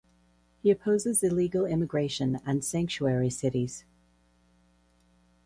He opposes illegal immigration and sanctuary cities.